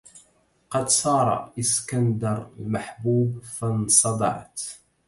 قد سار اسكندر المحبوب فانصدعت